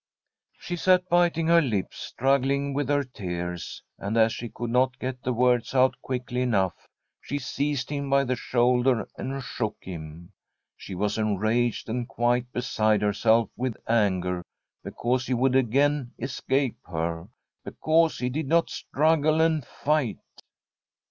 She sat biting her lips, struggling with her From a SPTEDISH HOMESTEAD tears, and as she could not get the words out quickly enough, she seized him by the shoulder and shook him. She was enraged and quite be side herself with anger because he would again escape her, because he did not struggle and fight.